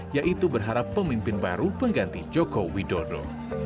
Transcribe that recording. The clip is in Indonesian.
yaitu berharap pemimpin baru pengganti jokowi dodo